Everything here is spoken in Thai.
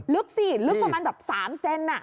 ลึกสิลึกประมาณแบบสามเส้นอ่ะ